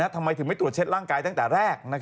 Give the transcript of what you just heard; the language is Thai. ทำไมถึงไม่ตรวจเช็ดร่างกายตั้งแต่แรก